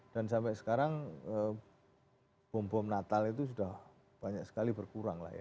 dan sampai sekarang bom bom natal itu sudah banyak sekali berkurang lah ya